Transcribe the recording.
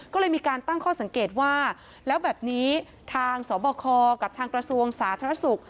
ก็เลยมีการตั้งข้อสังเกตว่าแล้วแบบนี้ทางสบคกับทางกระทรวงสาธารณสุข